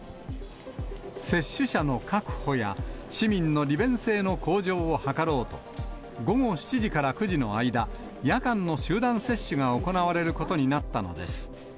接種者の確保や、市民の利便性の向上を図ろうと、午後７時から９時の間、夜間の集団接種が行われることになったのです。